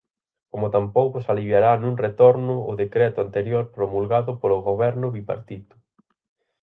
Como tampouco se aliviará nun retorno ó decreto anterior promulgado polo goberno bipartito.